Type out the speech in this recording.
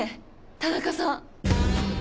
⁉田中さん！